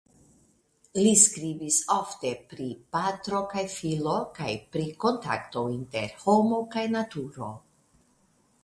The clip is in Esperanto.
Li skribis ofte pri patro kaj filo kaj pri kontakto inter homo kaj naturo.